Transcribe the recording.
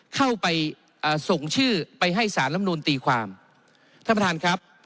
เข้าไปอ่าส่งชื่อไปให้สารลำนูนตีความท่านประธานครับ